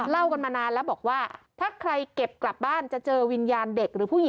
เล่ากันมานานแล้วบอกว่าถ้าใครเก็บกลับบ้านจะเจอวิญญาณเด็กหรือผู้หญิง